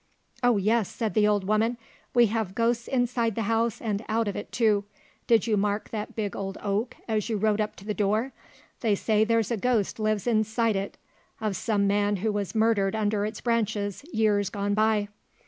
"Oh, yes," said the old woman, "we have ghosts inside the house and out of it too. Did you mark that big old oak, as you rode up to the door? They say there's a ghost lives inside it, of some man who was murdered under its branches years gone by.